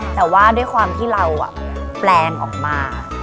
แต่ว่าด้วยความที่เราแปลงออกมา